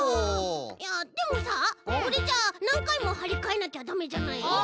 いやでもさこれじゃあなんかいもはりかえなきゃダメじゃない？